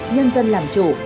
nhân dân làm chủ